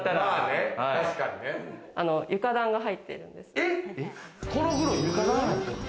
床暖が入ってるんです。